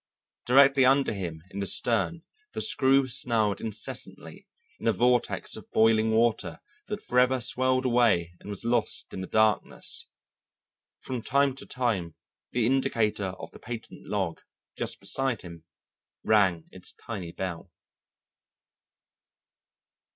Directly under him in the stern the screw snarled incessantly in a vortex of boiling water that forever swirled away and was lost in the darkness. From time to time the indicator of the patent log, just beside him, rang its tiny bell.